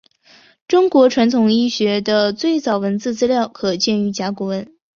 中国传统医学的最早文字资料可见于甲骨文。